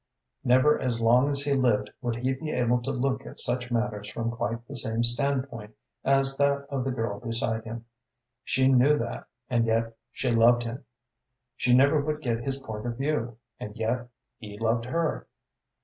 Never as long as he lived would he be able to look at such matters from quite the same standpoint as that of the girl beside him. She knew that, and yet she loved him. She never would get his point of view, and yet he loved her.